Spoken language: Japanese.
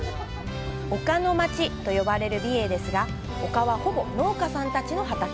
「丘のまち」と呼ばれる美瑛ですが丘は、ほぼ農家さんたちの畑。